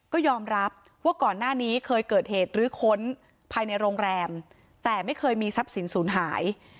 ก็ยอมรับว่าก่อนหน้านี้เคยเกิดเหตุรื้อค้นภายในโรงแรมแต่ไม่เคยมีทรัพย์สินศูนย์หาย